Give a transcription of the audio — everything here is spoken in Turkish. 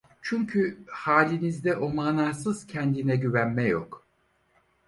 Çünkü halinizde o manasız kendine güvenme yok…